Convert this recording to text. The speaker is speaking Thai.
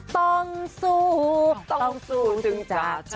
ต้องสู้ต้องสู้ถึงจ้า